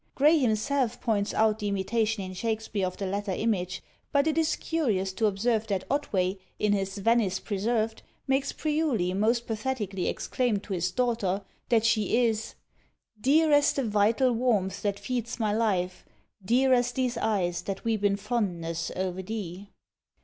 Gray himself points out the imitation in Shakspeare of the latter image; but it is curious to observe that Otway, in his Venice Preserved, makes Priuli most pathetically exclaim to his daughter, that she is Dear as the vital warmth that feeds my life, Dear as these eyes that weep in fondness o'er thee.